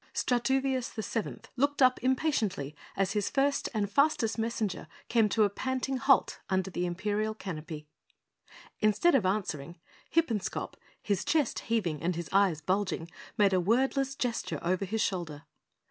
Strutoovious the Seventh looked up impatiently as his first and fastest messenger came to a panting halt under the Imperial Canopy. Instead of answering, Hippenscop, his chest heaving and his eyes bulging, made a wordless gesture over his shoulder.